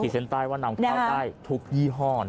พิเศษใต้วันนำเข้าใต้ทุกยี่ห้อ